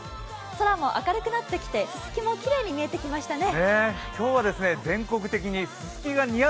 空も明るくなってきてすすきもきれいに見えてきましたね。